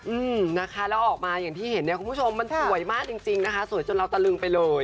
อืมนะคะแล้วออกมาอย่างที่เห็นเนี่ยคุณผู้ชมมันสวยมากจริงจริงนะคะสวยจนเราตะลึงไปเลย